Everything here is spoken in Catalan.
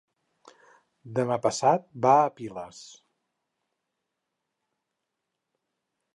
Demà passat va a Piles.